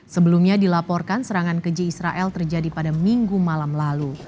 sebelumnya dilaporkan serangan ke j israel terjadi pada minggu malam lalu